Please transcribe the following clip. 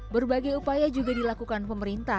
berbagai upaya juga dilakukan pemerintah